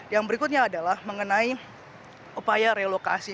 yang berikutnya adalah mengenai upaya relokasi